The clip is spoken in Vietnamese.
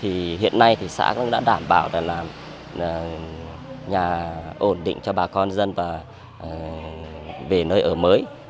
thì hiện nay thì xã cũng đã đảm bảo là nhà ổn định cho bà con dân và về nơi ở mới